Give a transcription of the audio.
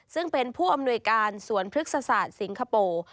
ซึ่งเป็นผู้อำนวยการสวนพฤกษศาสตร์สิงคโปร์